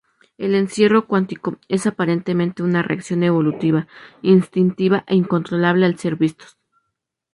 El encierro cuántico es aparentemente una reacción evolutiva, instintiva e incontrolable al ser vistos.